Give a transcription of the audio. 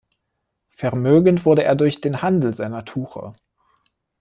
Vermögend wurde er durch den Handel seiner Tuche.